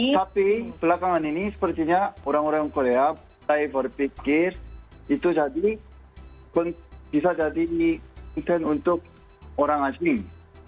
tapi belakangan ini sepertinya orang orang korea mulai berpikir itu jadi bisa jadi intens untuk orang asing